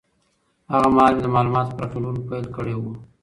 هغه مهال مي د معلوماتو په راټولولو پیل کړی و.